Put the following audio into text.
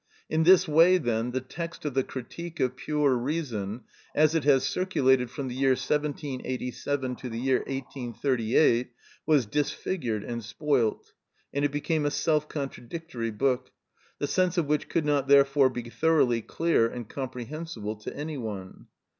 In this way then the text of the "Critique of Pure Reason," as it has circulated from the year 1787 to the year 1838, was disfigured and spoilt, and it became a self contradictory book, the sense of which could not therefore be thoroughly clear and comprehensible to any one.